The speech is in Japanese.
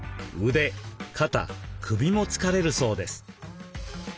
腕肩首も疲れるそうです。